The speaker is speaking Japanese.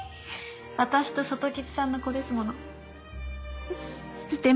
私と外吉さんの子ですもの。